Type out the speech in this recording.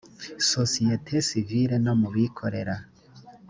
sosiyete sivili no mu bikorera